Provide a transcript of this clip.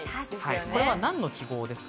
これは何の記号ですか？